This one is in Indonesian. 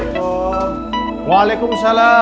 aku bodoh abilitiesnya